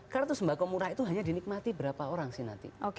kartu sembako murah itu hanya dinikmati berapa orang sih nanti